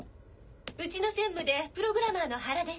うちの専務でプログラマーの原です。